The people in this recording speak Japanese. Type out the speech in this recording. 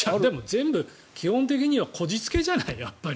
全部基本的にはこじつけじゃない。